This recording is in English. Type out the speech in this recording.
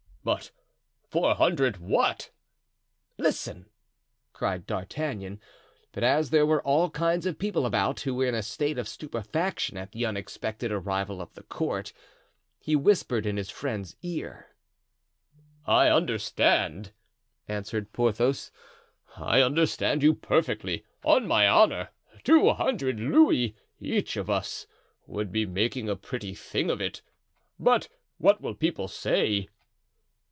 "But four hundred what?" "Listen!" cried D'Artagnan. But as there were all kinds of people about, who were in a state of stupefaction at the unexpected arrival of the court, he whispered in his friend's ear. "I understand," answered Porthos, "I understand you perfectly, on my honor; two hundred louis, each of us, would be making a pretty thing of it; but what will people say?"